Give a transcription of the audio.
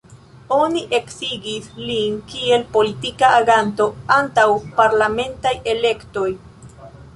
Oni eksigis lin kiel politika aganto antaŭ parlamentaj elektoj.